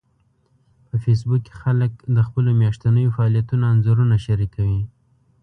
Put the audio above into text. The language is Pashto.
په فېسبوک کې خلک د خپلو میاشتنيو فعالیتونو انځورونه شریکوي